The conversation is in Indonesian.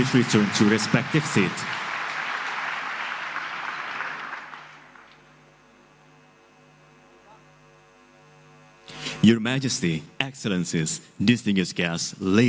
itu akan terlihat menyebabkan harga daya solar